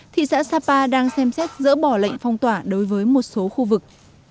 thị xã sapa đang xem xét dỡ bỏ lệnh phong tỏa đối với một số khu vực